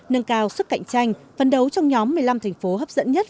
nâng cao sức cạnh tranh phân đấu trong nhóm một mươi năm thành phố hấp dẫn nhất